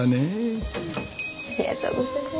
ありがとうございます。